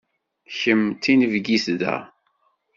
Kemm d tinebgit da.